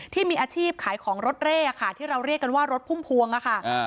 ที่มีอาชีพขายของรถเร่ค่ะที่เราเรียกกันว่ารถพุ่มพวงค่ะ